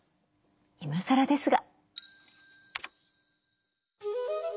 いまさらですが。